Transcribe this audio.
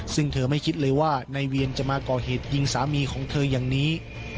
ซึ่งเธอไม่คิดเลยว่านายเวียนจะมาก่อเหตุยิงสามีของเธออย่างนี้